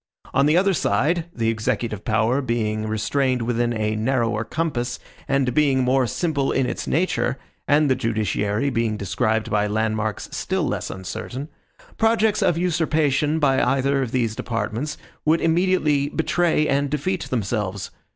On the other side, the executive power being restrained within a narrower compass, and being more simple in its nature, and the judiciary being described by landmarks still less uncertain, projects of usurpation by either of these departments would immediately betray and defeat themselves.